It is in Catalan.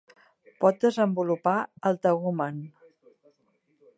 Pot desenvolupar el tegument.